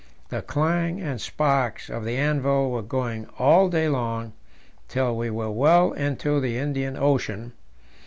The clang and sparks of the anvil were going all day long till we were well into the Indian Ocean.